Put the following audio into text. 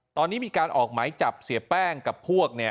ตอนนี้มีการออกหมายจับเสียแป้งกับพวกเนี่ย